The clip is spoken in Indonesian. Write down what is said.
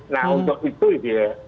nah untuk itu gitu ya